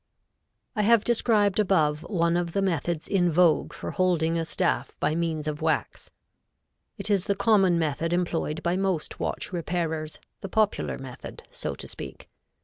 I have described above one of the methods in vogue for holding a staff by means of wax. It is the common method employed by most watch repairers, the popular method so to speak.